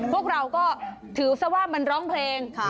พวกเราก็ถือซะว่ามันร้องเพลง